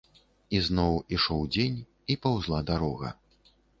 І зноў ішоў дзень, і паўзла дарога.